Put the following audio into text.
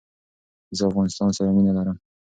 زه افغانستان سر مینه لرم